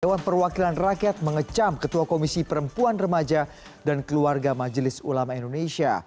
dewan perwakilan rakyat mengecam ketua komisi perempuan remaja dan keluarga majelis ulama indonesia